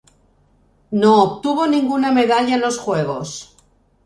No obtuvo ninguna medalla en los juegos.